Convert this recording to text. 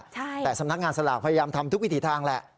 แต่สำนักงานสลากพยายามทำทุกวิถีทางแหละ